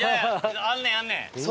あんねんあんねん！